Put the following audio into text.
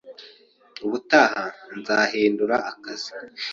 Ubutaha nzahindura akazi,